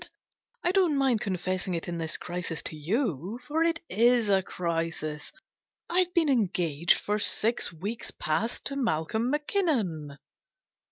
I don't mind confessing it in this crisis to you for it is a crisis. ... I've been engaged for six weeks past to Malcolm Mackinnon."